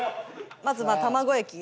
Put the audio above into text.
まずは卵液。